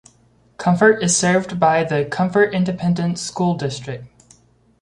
Comfort is served by the Comfort Independent School District.